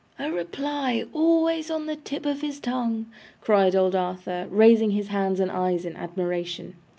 'A reply always on the tip of his tongue!' cried old Arthur, raising his hands and eyes in admiration.